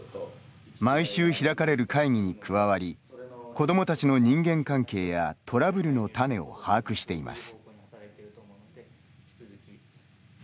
毎週開かれる会議に加わり子どもたちの人間関係やトラブルの種を把握しています。